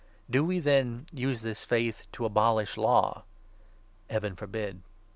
Do we, then, use this 31 faith to abolish Law ? Heaven forbid !